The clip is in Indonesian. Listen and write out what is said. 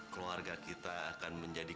keluarga kita akan menjadi